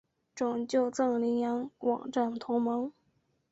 拯救藏羚羊网站同盟